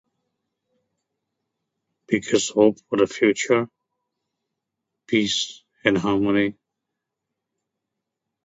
Because hope for the future, peace and harmony.